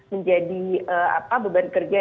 menjadi beban kerja